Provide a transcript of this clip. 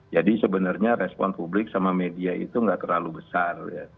sebenarnya respon publik sama media itu nggak terlalu besar